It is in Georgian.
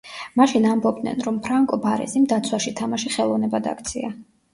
მაშინ ამბობდნენ, რომ ფრანკო ბარეზიმ დაცვაში თამაში ხელოვნებად აქცია.